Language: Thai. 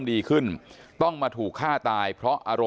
ไม่ตั้งใจครับ